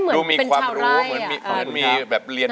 เพื่อจะไปชิงรางวัลเงินล้าน